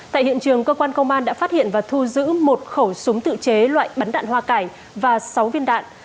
tại hiện trường cơ quan công an đã phát hiện và thu giữ một khẩu súng tự chế loại bắn đạn hoa cải và sáu viên đạn